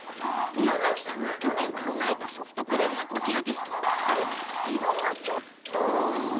宮崎さんが去年考えたソフトクリームが、こちら。